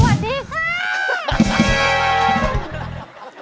สวัสดีค่ะ